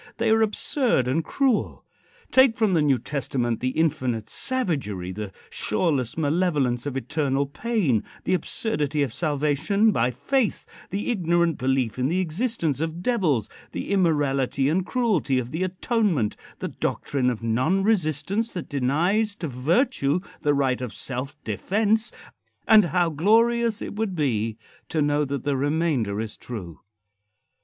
They are absurd and cruel. Take from the New Testament the infinite savagery, the shoreless malevolence of eternal pain, the absurdity of salvation by faith, the ignorant belief in the existence of devils, the immorality and cruelty of the atonement, the doctrine of non resistance that denies to virtue the right of self defence, and how glorious it would be to know that the remainder is true!